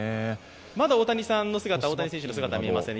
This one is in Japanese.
まだ大谷選手の姿は見えません。